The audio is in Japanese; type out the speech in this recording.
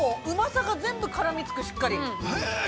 うまさが全部絡みつく、しっかり。